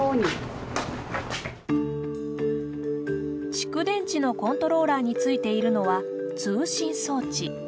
蓄電池のコントローラーについているのは通信装置。